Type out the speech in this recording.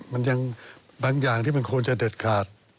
มันยังบางอย่างที่มันควรจะเด็ดขาด